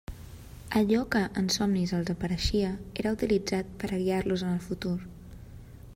Allò que en somnis els apareixia, era utilitzat per a guiar-los en el futur.